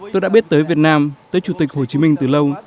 tôi đã biết tới việt nam tới chủ tịch hồ chí minh từ lâu